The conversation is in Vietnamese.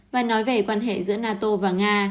và nói về quan hệ giữa nato và nga